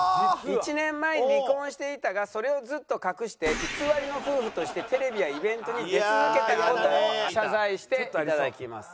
１年前に離婚していたがそれをずっと隠して偽りの夫婦としてテレビやイベントに出続けた事を謝罪していただきます。